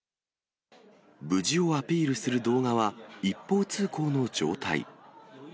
無事をアピールする動画は、一方通行の状態。